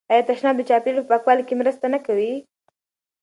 آیا تشناب د چاپیریال په پاکوالي کې مرسته نه کوي؟